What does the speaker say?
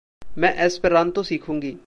मैं एस्पेरांतो सीखूंगी।